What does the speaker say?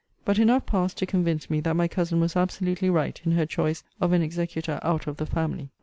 But enough passed to convince me that my cousin was absolutely right in her choice of an executor out of the family.